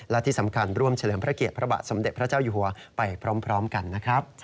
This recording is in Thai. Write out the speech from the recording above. และที่สำคัญร่วมเฉลิมพระเกียรติพระบาทสมเด็จพระเจ้าอยู่หัวไปพร้อมกันนะครับ